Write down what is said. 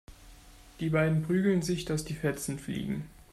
Die beiden prügeln sich, dass die Fetzen fliegen.